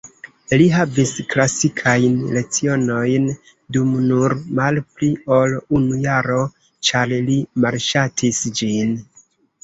Li havis klasikajn lecionojn dum nur malpli ol unu jaro ĉar li malŝatis ĝin.